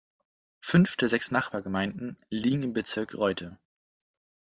Fünf der sechs Nachbargemeinden liegen im Bezirk Reutte.